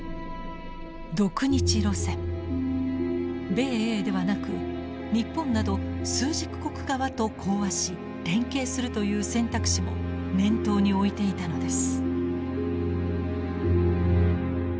米英ではなく日本など枢軸国側と講和し連携するという選択肢も念頭に置いていたのです。